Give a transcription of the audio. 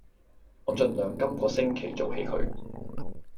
我儘量今個星期做起佢